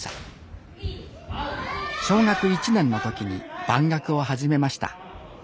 小学１年の時に番楽を始めました。